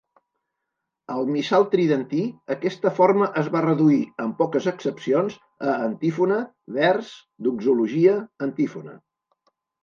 Al Missal tridentí, aquesta forma es va reduir, amb poques excepcions, a antífona-vers-doxologia-antífona.